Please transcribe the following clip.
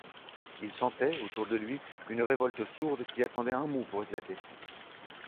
Il sentait, autour de lui, une révolte sourde qui attendait un mot pour éclater.